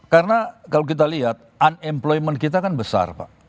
karena kalau kita lihat unemployment kita kan besar pak